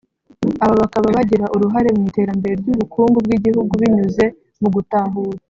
Aba bakaba bagira uruhare mu iterambere ry’ubukungu bw’igihugu binyuze mu gutahura